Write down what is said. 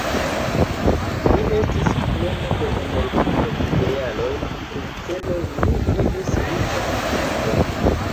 Li estis plena de energio, idealoj kaj celoj, li vivis riĉan vivon.